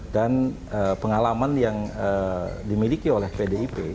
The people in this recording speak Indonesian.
dan pengalaman yang dimiliki oleh pdip